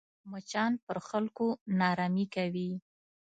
مچان پر خلکو ناارامي کوي